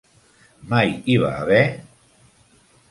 Mai hi va haver...